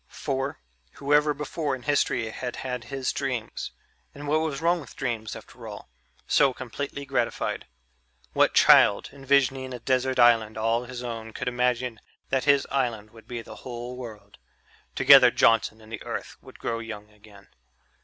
For, whoever before in history had had his dreams and what was wrong with dreams, after all? so completely gratified? What child, envisioning a desert island all his own could imagine that his island would be the whole world? Together Johnson and the Earth would grow young again.